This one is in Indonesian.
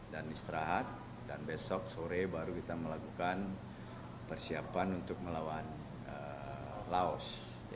dan istirahat dan besok sore baru kita melakukan persiapan untuk melawan laos